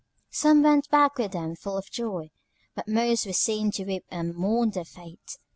Some went back with them full of joy, but most were seen to weep and mourn their fate.